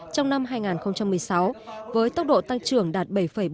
trong năm hai nghìn một mươi sáu với tốc độ tăng trưởng đạt bảy bốn mươi